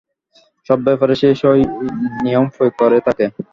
সব ব্যাপারেই সে সেই নিয়ম প্রয়োগ করে থাকে।